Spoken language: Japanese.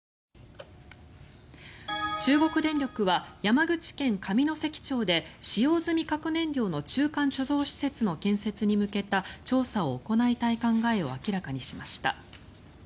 中国電力は、山口県上関町で使用済み核燃料の中間貯蔵施設の建設に向けた調査を行いたい考えを明らかにしました。